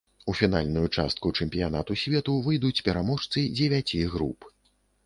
У фінальную частку чэмпіянату свету выйдуць пераможцы дзевяці груп.